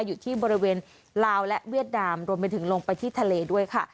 อยู่ที่บริเวณลาวและเวียดนามรวมไปถึงลงไปที่ทะเลด้วยค่ะ